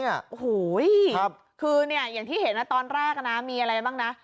โอ้โหคือเนี่ยอย่างที่เห็นตอนแรกนะมีอะไรบ้างนะ